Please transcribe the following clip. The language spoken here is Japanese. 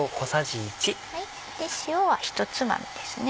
塩はひとつまみですね。